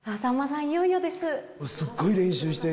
いよいよです。